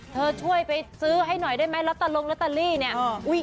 เธอช่วยไปซื้อให้หน่อยได้มั้ยละตะลงละตะลี่เนี่ย